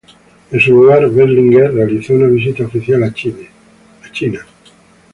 En su lugar Berlinguer realizó una visita oficial a China.